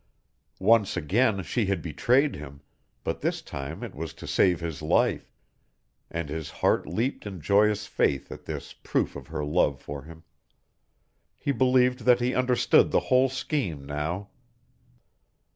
Once again she had betrayed him, but this time it was to save his life, and his heart leaped in joyous faith at this proof of her love for him. He believed that he understood the whole scheme now.